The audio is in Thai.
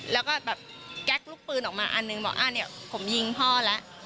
แล้วก็แบบแก๊กลูกปืนออกมาอันหนึ่งบอกอ่าเนี่ยผมยิงพ่อแล้ว